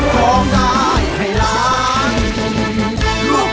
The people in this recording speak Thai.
ร้องได้ให้ล้าน